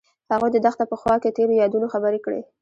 هغوی د دښته په خوا کې تیرو یادونو خبرې کړې.